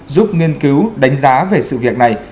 giúp nghiên cứu đánh giá về sự việc này